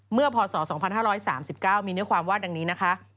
เมื่อพศ๒๕๓๙มีเนื้อความวาดอย่างนี้นะคะ